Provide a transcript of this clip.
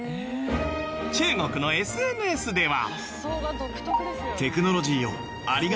中国のＳＮＳでは。